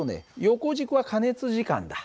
横軸は加熱時間だ。